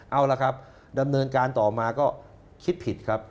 เอาละครับดำเนินการต่อมาก็คิดผิดครับ